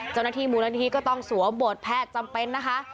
เจ้าหน้าที่มูลนิธิก็ต้องสวมบทแพทย์จำเป็นนะคะ